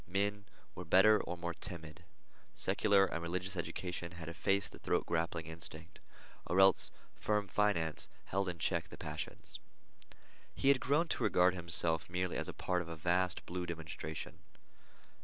Men were better, or more timid. Secular and religious education had effaced the throat grappling instinct, or else firm finance held in check the passions. He had grown to regard himself merely as a part of a vast blue demonstration.